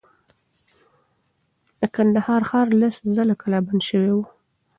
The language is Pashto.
د کندهار ښار لس ځله کلا بند شوی و.